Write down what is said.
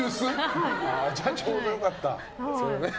じゃあ、ちょうどよかった。